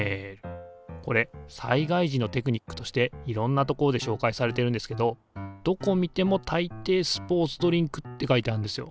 これ災害時のテクニックとしていろんな所で紹介されてるんですけどどこ見てもたいていスポーツドリンクって書いてあるんですよ。